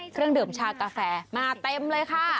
เครื่องดื่มชากาแฟมาเต็มเลยค่ะ